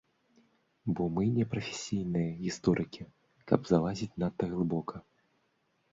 Бо мы не прафесійныя гісторыкі, каб залазіць надта глыбока.